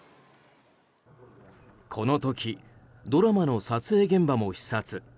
この時ドラマの撮影現場も視察。